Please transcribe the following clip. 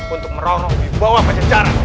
untuk merongrong di bawah pejajaran